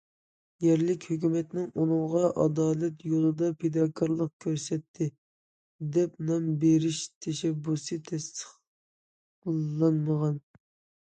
يەرلىك ھۆكۈمەتنىڭ ئۇنىڭغا‹‹ ئادالەت يولىدا پىداكارلىق كۆرسەتتى›› دەپ نام بېرىش تەشەببۇسى تەستىقلانمىغان.